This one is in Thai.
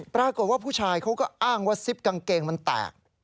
ปรากฏว่าผู้ชายเขาก็อ้างว่าซิปกางเกงมันแตก